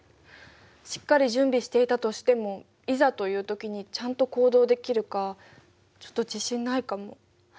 しっかり準備していたとしてもいざという時にちゃんと行動できるかちょっと自信ないかも。